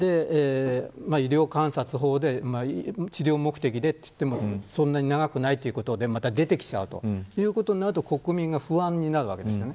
医療観察法で治療目的だといってもそんなに長くないということでまた出てきちゃう。ということになると国民が不安になります。